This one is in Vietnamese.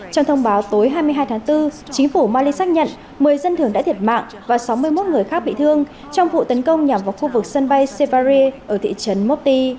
trong thông báo tối hai mươi hai tháng bốn chính phủ mali xác nhận một mươi dân thường đã thiệt mạng và sáu mươi một người khác bị thương trong vụ tấn công nhằm vào khu vực sân bay sevari ở thị trấn motti